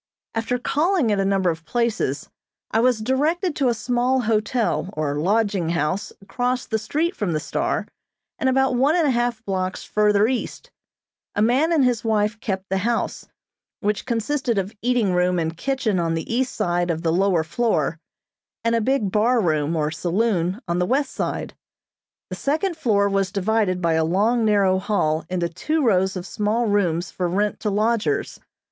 After calling at a number of places, I was directed to a small hotel or lodging house across the street from the "Star," and about one and a half blocks further east. A man and his wife kept the house, which consisted of eating room and kitchen on the east side of the lower floor, and a big bar room or saloon on the west side. The second floor was divided by a long narrow hall into two rows of small rooms for rent to lodgers.